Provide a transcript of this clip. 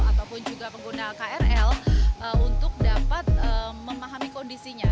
ataupun juga pengguna krl untuk dapat memahami kondisinya